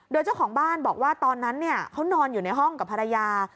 โดยเจ้าของบ้านบอกว่าตอนนั้นเขานอนอยู่ในห้องกับภรรยา